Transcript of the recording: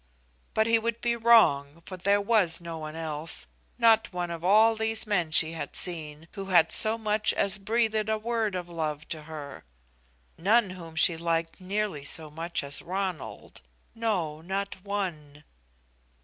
But he would be wrong, for there was no one else, not one of all these men she had seen, who had so much as breathed a word of love to her. None whom she liked nearly so much as Ronald, no, not one.